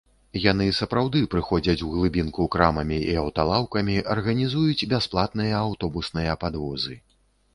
Яны сапраўды прыходзяць у глыбінку крамамі і аўталаўкамі, арганізуюць бясплатныя аўтобусныя падвозы.